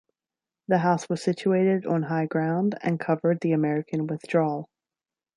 The house was situated on high ground and covered the American withdrawal.